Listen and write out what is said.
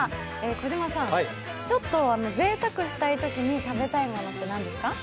児嶋さん、ちょっとぜいたくしたいときに食べたいものって何ですか。